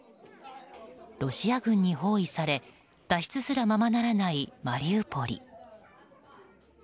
ロシア軍に包囲され脱出すらままならないマリウポリ。